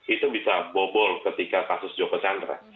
itu bisa bobol ketika kasus joko chandra